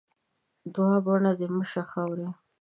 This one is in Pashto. دوعا؛ بڼه دې مه شه خاوري.